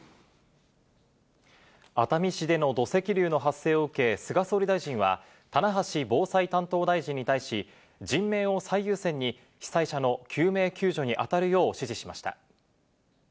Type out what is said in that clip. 熱海市での土石流の発生を受け、菅総理大臣は、棚橋防災担当大臣に対し、人命を最優先に、被災者の救命救助に当たるよう指示しました。